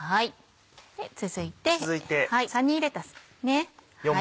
続いてサニーレタスですね。